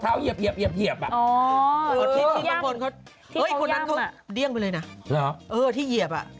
แล้วใกล้เอียงมาจะต้องมารักษาเชียงใหม่